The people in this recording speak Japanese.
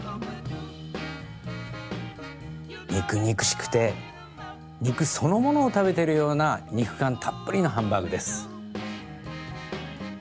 肉肉しくて肉そのものを食べているような肉感たっぷりのハンバーグです。